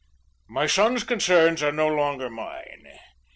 My son's concerns are no longer mine.